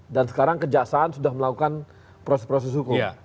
dan sekarang kejaksaan sudah melakukan proses proses hukum